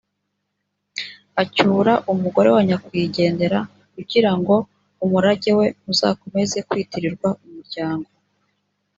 acyura umugore wa nyakwigendera kugira ngo umurage we uzakomeze kwitirirwa umuryango